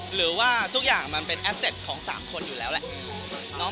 หรือว่าทุกอย่างมันเป็นของสามคนอยู่แล้วแหละเนอะ